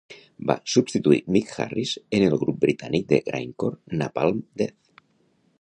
Va substituir Mick Harris en el grup britànic de grindcore Napalm Death.